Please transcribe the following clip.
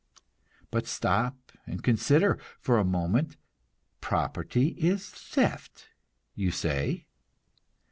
But stop and consider for a moment. "Property is theft," you say.